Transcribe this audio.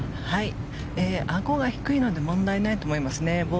あごが低いので問題ないと思います。